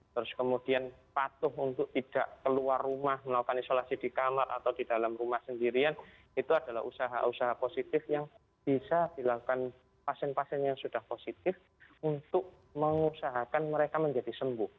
terus kemudian patuh untuk tidak keluar rumah melakukan isolasi di kamar atau di dalam rumah sendirian itu adalah usaha usaha positif yang bisa dilakukan pasien pasien yang sudah positif untuk mengusahakan mereka menjadi sembuh